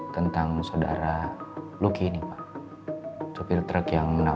yang kamu pakai